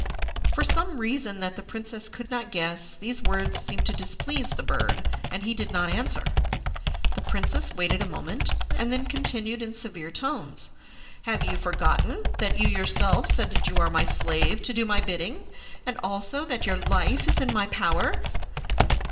For some reason that the princess could not guess these words seemed to displease the bird, and he did not answer. The princess waited a moment, and then continued in severe tones, "Have you forgotten that you yourself said that you are my slave to do my bidding, and also that your life is in my power?"